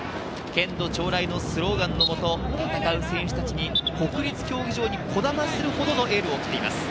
「捲土重来」のスローガンの下、戦う選手達に国立競技場にこだまするほどのエールを送っています。